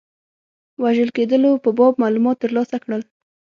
د وژل کېدلو په باب معلومات ترلاسه کړل.